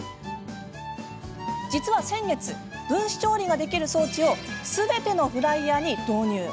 実は先月分子調理ができる装置をすべてのフライヤーに導入。